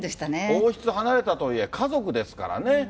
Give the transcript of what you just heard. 王室離れたとはいえ、家族ですからね。